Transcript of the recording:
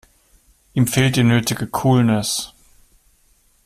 Ihm fehlt die nötige Coolness.